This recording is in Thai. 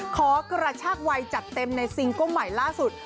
ขอกระชากวัยจัดเต็มในซิงเกิ้ลใหม่ล่าสุด